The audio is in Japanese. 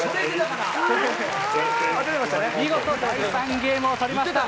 見事第３ゲームを取りました。